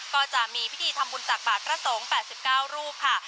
ก็จะมีพิธีทำบุญตักบาทพระสงฆ์๘๙รูปค่ะ